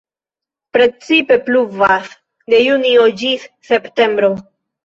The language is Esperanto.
Precipe pluvas de junio ĝis septembro.